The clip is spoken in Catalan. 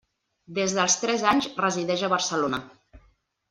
Des dels tres anys resideix a Barcelona.